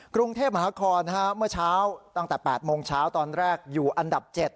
กรุงเทพมหานครเมื่อเช้าตั้งแต่๘โมงเช้าตอนแรกอยู่อันดับ๗